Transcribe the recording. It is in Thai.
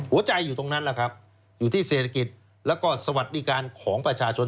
อยู่ตรงนั้นแหละครับอยู่ที่เศรษฐกิจแล้วก็สวัสดิการของประชาชน